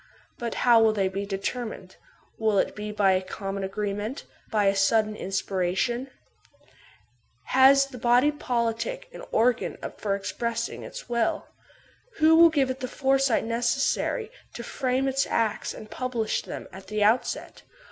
But how will they be determined ? Will it be by a common agreement, by a sudden inspiration ? Has the body politic an organ for expressing its will ? Who will give it the foresight necessary to frame its acts and publish them at the out set